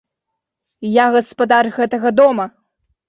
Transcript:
Я гаспадар гэтага дома.